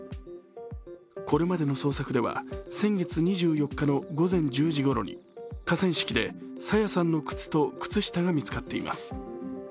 これまでの捜索では、先月２４日の午前１０時ごろに河川敷で朝芽さんの靴と靴下が見つかっています。